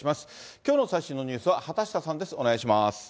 きょうの最新のニュースは畑下さんです。